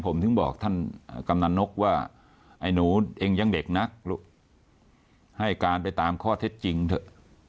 ผมถึงบอกท่านกำนันนกว่าไอ้หนูเองยังเด็กนักให้การไปตามข้อเท็จจริงเถอะ